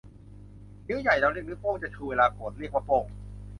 นิ้วใหญ่ เราเรียกนิ้วโป้ง จะชูเวลาโกรธ เรียกว่าโป้ง